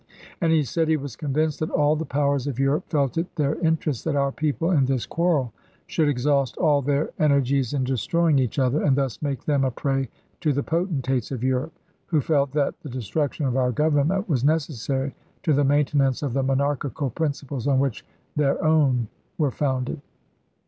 And he said he was convinced that all MS Jan., 1865. the powers of Europe felt it their interest that our people in this quarrel should exhaust all their ener gies in destroying each other, and thus make them a prey to the potentates of Europe, who felt that the destruction of our Government was necessary to the maintenance of the monarchical principles on which their own were founded.